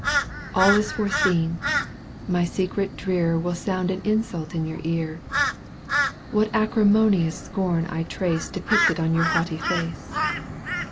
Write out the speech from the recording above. All is foreseen. My secret drear Will sound an insult in your ear. What acrimonious scorn I trace Depicted on your haughty face